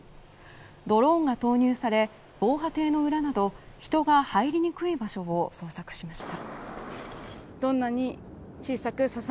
ドローンが投入され防波堤の裏など人が入りにくい場所を捜索しました。